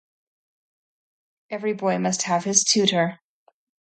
Every boy must have his tutor.